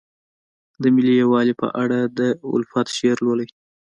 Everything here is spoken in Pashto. د ملي یووالي په اړه د الفت شعر لولئ.